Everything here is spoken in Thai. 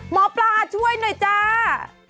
หมอปลาช่วยหน่อยจ้า